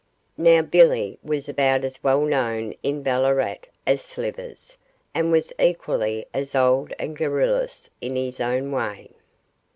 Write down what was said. Now Billy was about as well known in Ballarat as Slivers, and was equally as old and garrulous in his own way.